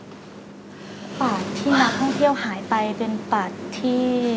ปากที่นักท่องเที่ยวหายไปเป็นป่าที่